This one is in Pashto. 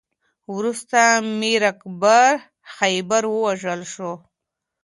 وروسته میر اکبر خیبر ووژل شو.